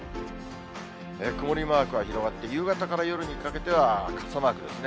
曇りマークが広がって、夕方から夜にかけては、傘マークですね。